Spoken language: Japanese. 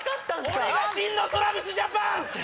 俺が真のＴｒａｖｉｓＪａｐａｎ！